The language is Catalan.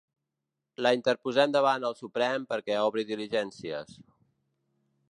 La interposem davant el Suprem perquè obri diligències.